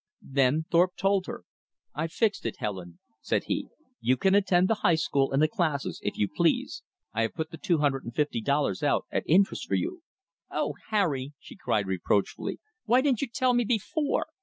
Then Thorpe told her. "I've fixed it, Helen," said he. "You can attend the High School and the classes, if you please. I have put the two hundred and fifty dollars out at interest for you." "Oh, Harry!" she cried reproachfully. "Why didn't you tell me before!"